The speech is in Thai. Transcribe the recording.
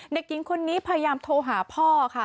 เด็กหญิงคนนี้พยายามโทรหาพ่อค่ะ